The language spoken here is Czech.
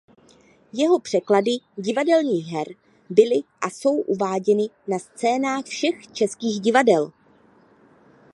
Jeho překlady divadelních her byly a jsou uváděny na scénách všech českých divadel.